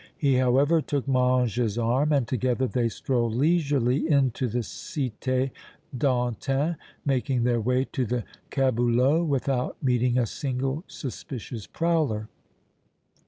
He, however, took Mange's arm and together they strolled leisurely into the Cité d' Antin, making their way to the caboulot without meeting a single suspicious prowler.